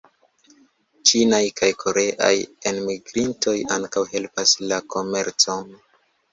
Ĉinaj kaj koreaj enmigrintoj ankaŭ helpas la komercon.